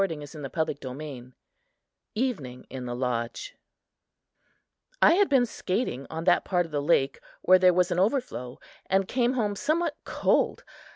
VI. EVENING IN THE LODGE I: Evening in the Lodge I HAD been skating on that part of the lake where there was an overflow, and came home somewhat cold.